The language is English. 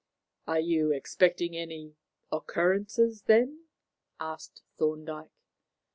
"Are you expecting any occurrences, then?" asked Thorndyke.